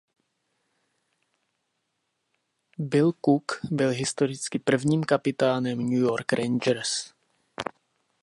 Bill Cook byl historicky prvním kapitánem New York Rangers.